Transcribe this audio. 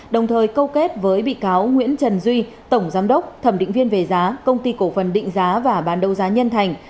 đồng thời câu kết với bị cáo nguyễn trần duy tổng giám đốc thẩm định viên về giá công ty cổ phần định giá và bán đấu giá nhân thành